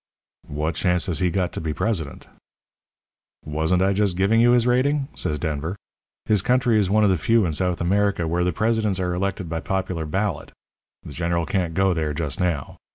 "'What chance has he got to be president?' "'Wasn't I just giving you his rating?' says Denver. 'His country is one of the few in South America where the presidents are elected by popular ballot. The General can't go there just now.